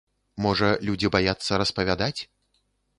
Можа людзі баяцца распавядаць?